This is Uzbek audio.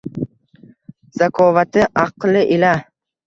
Zakovati, aqli ila